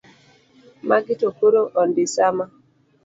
Magi to koro ondisama.